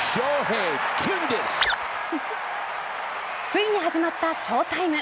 ついに始まったショータイム。